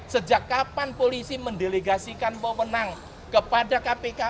sejak kapan polisi mendelegasikan baw menang kepada kpk